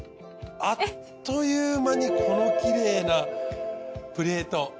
あっという間にこのきれいなプレート。